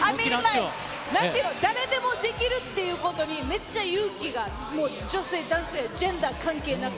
誰でもできるっていうことに、めっちゃ勇気が、もう女性、男性、ジェンダー関係なく。